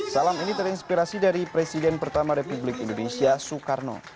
salam ini terinspirasi dari presiden pertama republik indonesia soekarno